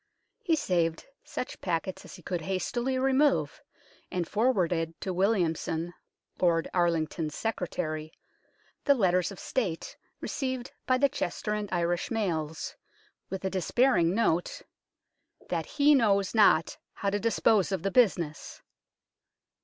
He saved such packets as he could hastily remove, and forwarded to Williamson, Lord Arlington's secretary, the letters of State received by the Chester and Irish mails, with a despairing note, " that he knows not how to dispose of the business."